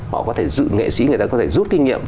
họ có thể dụ nghệ sĩ người ta có thể rút kinh nghiệm